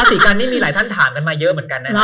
ที่นี่มีหลายท่านถามกันมายังเยอะกันเนี่ย